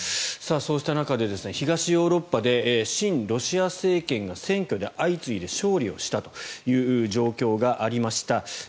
そうした中で、東ヨーロッパで親ロシア政権が選挙で相次いで勝利したという状況がありました。